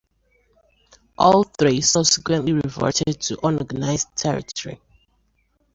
All three subsequently reverted to unorganized territory.